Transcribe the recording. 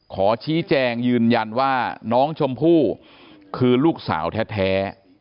ขอชี้แจงยืนยันว่าน้องชมพู่คือลูกสาวแท้